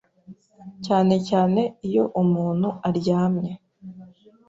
cyane cyane iyo umuntu aryamye